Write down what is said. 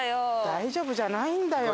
大丈夫じゃないんだよ